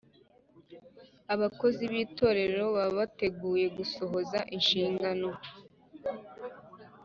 Abakozi b itorero baba biteguye gusohoza inshingano